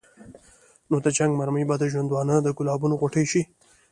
نو د جنګ مرمۍ به د ژوندانه د ګلابونو غوټۍ شي.